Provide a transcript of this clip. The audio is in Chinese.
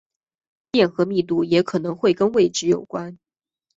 电荷密度也可能会跟位置有关。